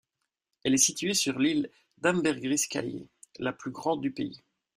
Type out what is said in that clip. Elle est située sur l'île d'Ambergris Caye, la plus grande du pays.